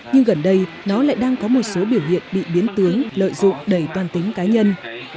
nhưng gần đây nó lại đang có một số biểu hiện bị biến tướng lợi dụng đầy toàn tính cá nhân